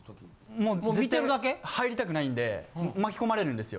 もう絶対入りたくないんで巻き込まれるんですよ。